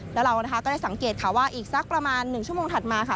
แล้วเรานะคะก็ได้สังเกตค่ะว่าอีกสักประมาณ๑ชั่วโมงถัดมาค่ะ